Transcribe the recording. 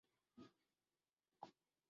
Lane Bradford was cast as Spike Taylor.